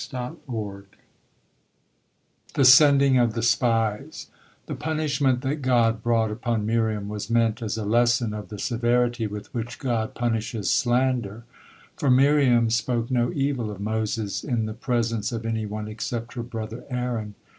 THE SENDING OF THE SPIES The punishment that God brought upon Miriam was meant as a lesson of the severity with which God punishes slander. For Miriam spoke no evil of Moses in the presence of any one except her brother Aaron.